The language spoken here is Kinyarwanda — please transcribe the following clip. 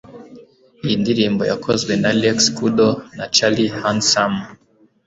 iyi ndirimbo yakozwe na rex kudo na charlie handsome